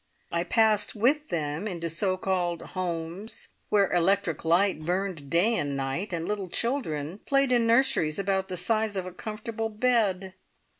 I passed with them into so called "homes" where electric light burned day and night, and little children played in nurseries about the size of a comfortable bed.